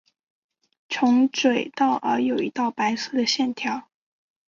从嘴到耳有一道白色的线条。